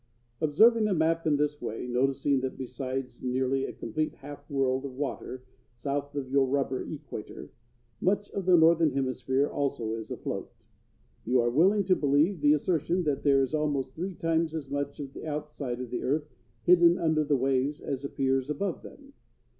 Observing the map in this way, noticing that, besides nearly a complete half world of water south of your rubber equator, much of the northern hemisphere also is afloat, you are willing to believe the assertion that there is almost three times as much of the outside of the earth hidden under the waves as appears above them.